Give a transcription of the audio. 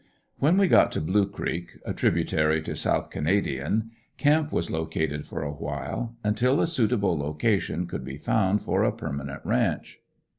When we got to Blue Creek, a tributary to South Canadian, camp was located for awhile, until a suitable location could be found for a permanent ranch.